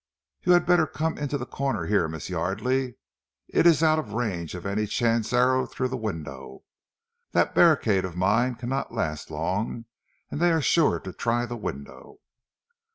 "You had better come into the corner here, Miss Yardely. It is out of range of any chance arrow through the window. That barricade of mine cannot last long, and they are sure to try the window."